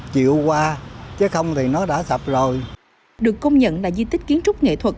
chịu qua chứ không thì nó đã sập rồi được công nhận là di tích kiến trúc nghệ thuật